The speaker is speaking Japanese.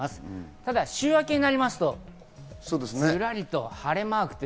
ただ週明けになりますと、ずらりと晴れマーク。